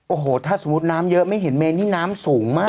โอ้โหถ้าสมมุติน้ำเยอะไม่เห็นเมนนี่น้ำสูงมาก